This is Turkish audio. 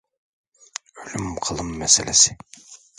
Ölüm kalım meselesi.